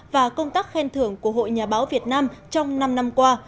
và công tác khen thưởng của hội nhà báo việt nam trong năm năm qua